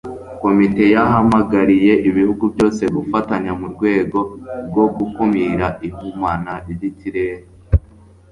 Komite yahamagariye ibihugu byose gufatanya mu rwego rwo gukumira ihumana ryikirere